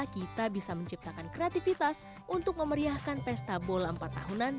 kita bisa menciptakan kreativitas untuk memeriahkan pesta bola empat tahunan